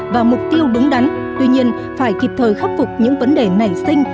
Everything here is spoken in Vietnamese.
và mục tiêu đúng đắn tuy nhiên phải kịp thời khắc phục những vấn đề nảy sinh